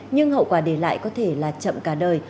nhưng hậu quả để lại có thể là chậm cả đời